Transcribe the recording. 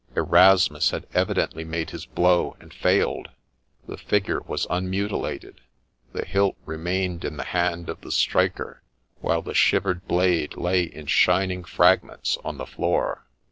Erasmus had evidently made his blow and failed ; the figure was unmutilated ; the hilt remained in the hand of the striker, while the shivered blade lay in shining fragments on the floor.